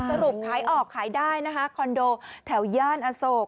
สรุปขายออกขายได้นะคะคอนโดแถวย่านอโศก